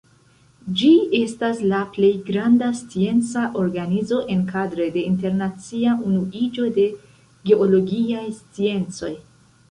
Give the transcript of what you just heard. Ĝi estas la plej granda scienca organizo enkadre de Internacia Unuiĝo de Geologiaj Sciencoj.